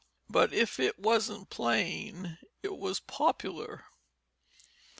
But if it wasn't plain it was popular.